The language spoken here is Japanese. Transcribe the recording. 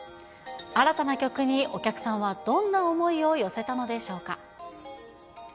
新たな曲にお客さんはどんな思いを寄せたのでしょうか。